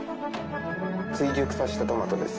追熟させたトマトです。